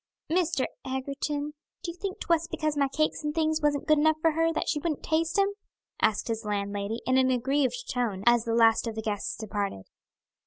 "Mr. Egerton, do you think 'twas because my cakes and things wasn't good enough for her that she wouldn't taste 'em?" asked his landlady, in an aggrieved tone, as the last of the guests departed.